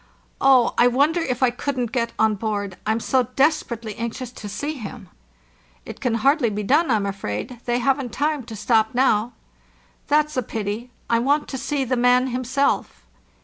"Oh, I wonder if I couldn't get on board? I'm so desperately anxious to see him." "Tt can hardly be done, I'm afraid; they haven't time to stop now." "That's a pity. I want to see the man himself."